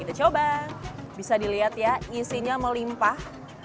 kita coba bisa dilihat ya isinya melimpah